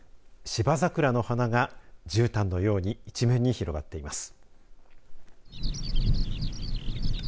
シバザクラの花がじゅうたんのように一面に広がっています。